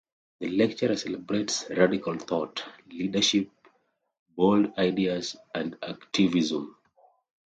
The lecture celebrates radical thought, leadership, bold ideas and activism.